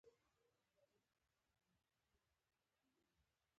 ستا پلار څه کار کوي